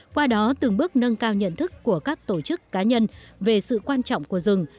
qua đó từng bước nâng cao nhận thức của các tổ chức cá nhân về sự quan trọng của rừng